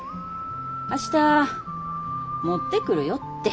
明日持ってくるよって。